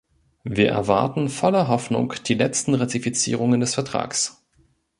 Wir erwarten voller Hoffnung die letzten Ratifizierungen des Vertrags.